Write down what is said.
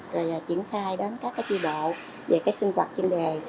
rồi triển khai đến các tri bộ về sinh hoạt chuyên đề